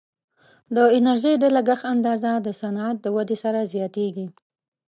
د انرژي د لګښت اندازه د صنعت د ودې سره زیاتیږي.